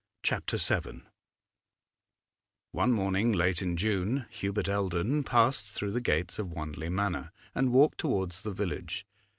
CHAPTER VII One morning late in June, Hubert Eldon passed through the gates of Wanley Manor and walked towards the village.